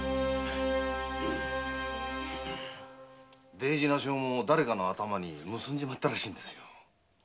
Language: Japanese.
大事な証文を誰かの頭に結んじまったらしいんですよ。